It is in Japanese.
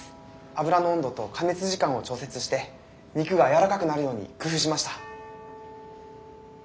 油の温度と加熱時間を調節して肉がやわらかくなるように工夫しました。